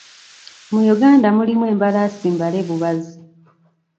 Mu Uganda mulimu embalaasi mbale bubazi